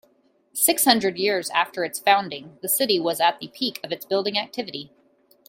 Six hundred years after its founding, the city was at the peak of its building activity.